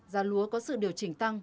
giá lúa có sự điều chỉnh tăng